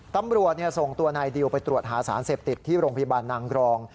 ตำรวจส่งตัวนายดิวไปตรวจหาสารเสพติดที่โรงพยาบาลนางรอง